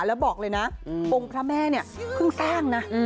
แล้วบอกเลยนะองค์พระแม่เนี่ยเพิ่งสร้างนะ